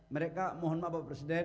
mereka mohon maaf bapak presiden